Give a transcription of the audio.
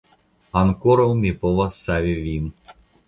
Ankoraŭ mi povas savi vin.